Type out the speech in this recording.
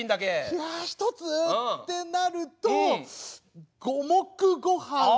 いや１つってなると五目ごはんに。